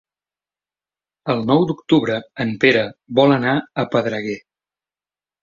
El nou d'octubre en Pere vol anar a Pedreguer.